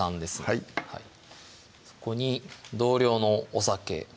はいそこに同量のお酒